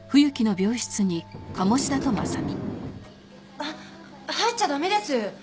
あっ入っちゃダメです！